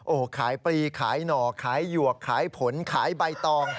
โอ้โหขายปลีขายหน่อขายหยวกขายผลขายใบตอง